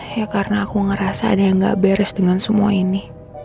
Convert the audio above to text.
ya karena aku ngerasa ada yang gak beres dengan semua ini